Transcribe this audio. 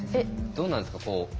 どうなんですか？